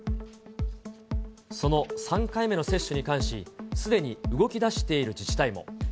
その３回目の接種に関し、すでに動きだしている自治体も。